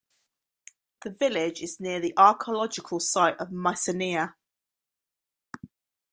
The village is near the archaeological site of Mycenae.